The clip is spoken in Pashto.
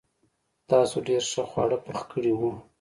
تاسو ډېر ښه خواړه پخ کړي وو.